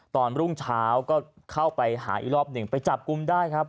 รุ่งเช้าก็เข้าไปหาอีกรอบหนึ่งไปจับกลุ่มได้ครับ